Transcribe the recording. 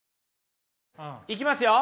いきますよ。